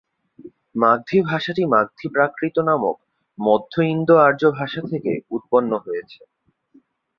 মাগধী ভাষাটি মাগধী প্রাকৃত নামক মধ্য ইন্দো-আর্য ভাষা থেকে উৎপন্ন হয়েছে।